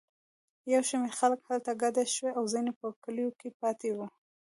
یو شمېر خلک هلته کډه شوي او ځینې په کلیو کې پاتې وو.